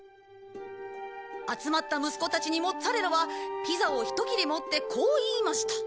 集まった息子たちにモッツァレラはピザをひと切れ持ってこう言いました。